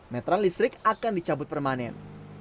meteran listrik akan dicabut permanen